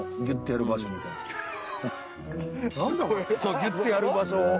ギュッてやる場所。